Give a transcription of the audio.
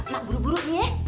mak buru buru nih ya